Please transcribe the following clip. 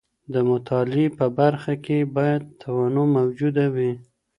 د مطالعې په برخه کي باید تنوع موجوده وي.